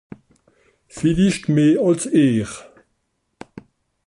Villicht meh àls ìhr.